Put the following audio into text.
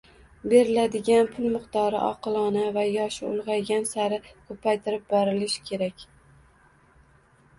• Beriladigan pul miqdori oqilona va yoshi ulg‘aygan sari ko‘paytirib borilish kerak.